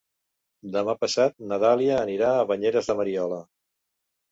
Demà passat na Dàlia anirà a Banyeres de Mariola.